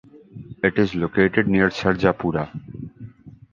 It is located near Sarjapura.